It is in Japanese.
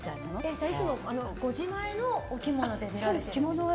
じゃあ、いつもご自前のお着物で出られてるんですか？